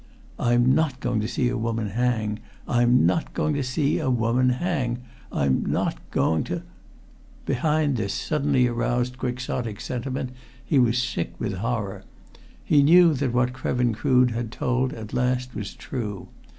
"I'm not going to see a woman hang! I'm not going to see a woman hang! I'm ... not ... going ... to " Behind this suddenly aroused Quixotic sentiment he was sick with horror. He knew that what Krevin Crood had told at last was true.